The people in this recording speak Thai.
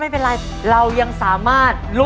ผิดนะครับ